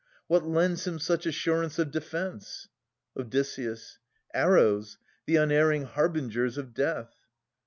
What lends him such assurance of defence ? Od. Arrows, the unerring harbingers of Death.